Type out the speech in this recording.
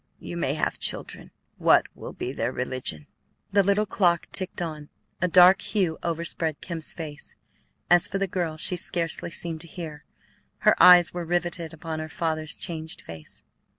You may have children. What will be their religion?" The little clock ticked on; a dark hue overspread Kemp's face. As for the girl, she scarcely seemed to hear; her eyes were riveted upon her father's changed face.